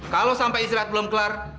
kalau sampai istirahat belum kelar